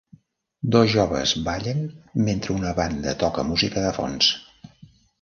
Dos joves ballen mentre una banda toca música de fons.